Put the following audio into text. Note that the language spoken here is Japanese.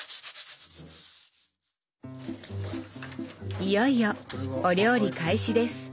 いよいよお料理開始です。